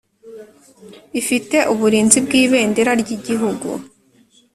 ifite uburinzi bw Ibendera ry Igihugu